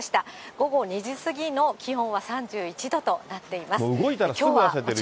午後２時過ぎの気温は３１度となっています。